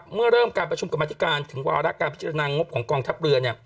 เมื่อเริ่มการประชุมกรรมธิการถึงวาระการพิจารณางบของกองทัพเรือ